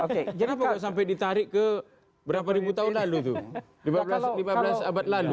kenapa kok sampai ditarik ke berapa ribu tahun lalu tuh lima belas abad lalu